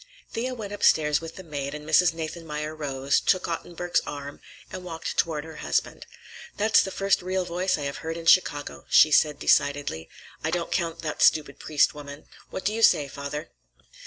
Thea went upstairs with the maid and Mrs. Nathanmeyer rose, took Ottenburg's arm, and walked toward her husband. "That's the first real voice I have heard in Chicago," she said decidedly. "I don't count that stupid Priest woman. What do you say, father?"